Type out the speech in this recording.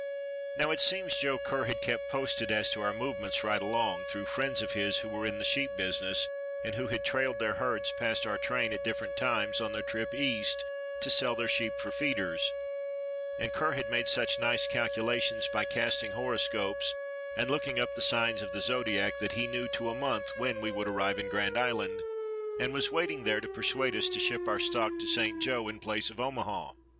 Now it seems Joe Kerr had kept posted as to our movements right along through friends of his who were in the sheep business and who had trailed their herds past our train at different times on their trip East to sell their sheep for feeders, and Kerr had made such nice calculations by casting horoscopes and looking up the signs of the zodiac that he knew to a month when we would arrive in Grand Island, and was waiting there to persuade us to ship our stock to St. Joe in place of Omaha.